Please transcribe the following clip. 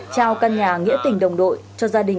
trao căn nhà